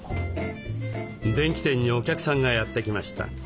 電気店にお客さんがやって来ました。